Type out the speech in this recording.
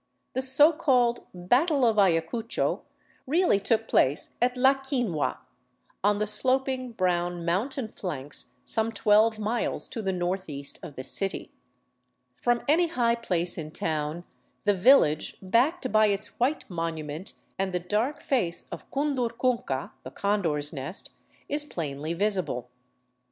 The so called " Battle of Ayacucho " reall] took place at La Quinua, on the sloping brown mountain flanks som< twelve miles to the northeast of the city. From any high plact 386 THE ROUTE OF THE CONQUISTADORES in town the village, backed by its white monument and the dark face of Cundurcunca, the " Condor's Nest," is plainly visible.